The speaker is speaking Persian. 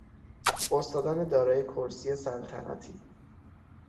استادان دارای کرسی سلطنتی